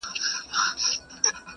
خو زړې نښې پاتې وي تل-